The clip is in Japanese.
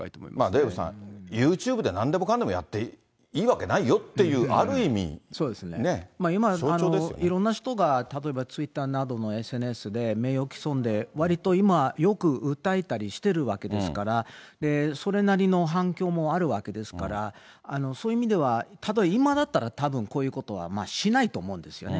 デーブさん、ユーチューブでなんでもかんでもやっていいわけないよっていう、ある意味、ね、そうですね、今、いろんな人が例えばツイッターなどのＳＮＳで名誉毀損で、わりと今、よく訴えたりしてるわけですから、それなりの反響もあるわけですから、そういう意味では、ただ、今だったら、たぶんこういうことはしないと思うんですよね。